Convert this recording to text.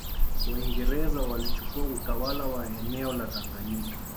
Waingereza walichukua utawala wa eneo la Tanganyika